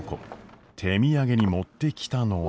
手土産に持ってきたのは。